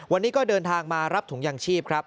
วันนี้ก็เดินทางมารับถุงยางชีพครับ